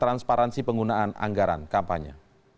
transparansi penggunaan anggaran kampanye